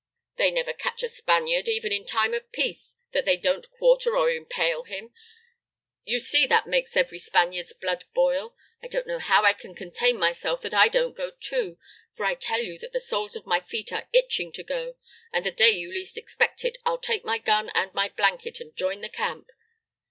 They never catch a Spaniard, even in time of peace, that they don't quarter or impale him; you see that makes every Spaniard's blood boil! I don't know how I can contain myself that I don't go too, for I tell you that the soles of my feet are itching to go, and the day you least expect it, I'll take my gun and my blanket and join the camp."